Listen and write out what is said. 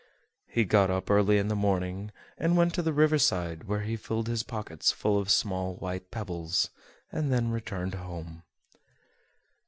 He got up early in the morning, and went to the river side, where he filled his pockets full of small white pebbles, and then returned home.